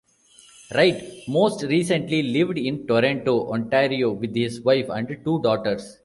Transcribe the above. Wright most recently lived in Toronto, Ontario with his wife and two daughters.